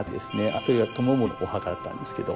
それが知盛のお墓だったんですけど。